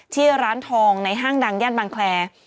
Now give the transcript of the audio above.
ที่ร้านทองในห้างดังย่านบางแคร์